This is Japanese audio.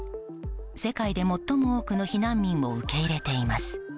世界で最も多くの避難民を受け入れています。